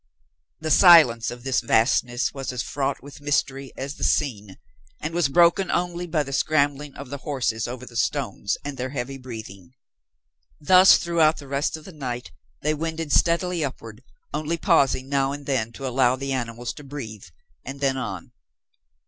The silence of this vastness was as fraught with mystery as the scene, and was broken only by the scrambling of the horses over the stones and their heavy breathing. Thus throughout the rest of the night they wended steadily upward, only pausing now and then to allow the animals to breathe, and then on.